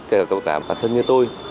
cả cậu tảm bản thân như tôi